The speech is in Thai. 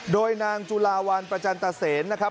โดยนางจุลาวันประจันตเซนนะครับ